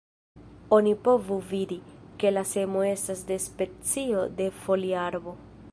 Oni povu vidi, ke la semo estas de specio de folia arbo.